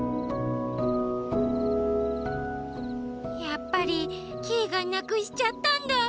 やっぱりキイがなくしちゃったんだ。